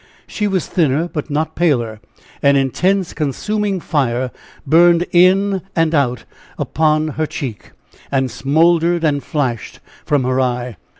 She was thinner, but not paler an intense consuming fire burned in and out upon her cheek, and smouldered and flashed from her eye.